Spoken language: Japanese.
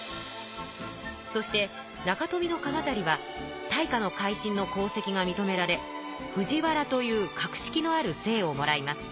そして中臣鎌足は大化の改新の功績がみとめられ藤原という格式のある姓をもらいます。